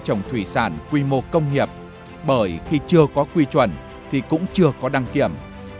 trồng thủy sản quy mô công nghiệp bởi khi chưa có quy chuẩn thì cũng chưa có đăng kiểm